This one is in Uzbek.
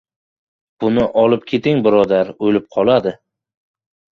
— Buni olib keting, birodar, o‘lib qoladi...